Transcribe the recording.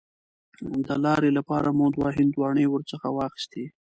د لارې لپاره مو دوه هندواڼې ورڅخه واخیستې.